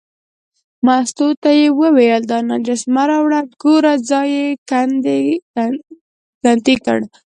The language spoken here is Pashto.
مستو ته یې وویل دا نجس مه راوله، ګوره ځای یې کندې کړ.